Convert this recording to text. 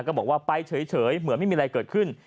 ก็บอกว่าไปเฉยเหมือนไม่มีอะไรเกิดขึ้น